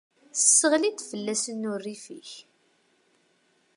Sseɣli-d fell-asen urrif-ik!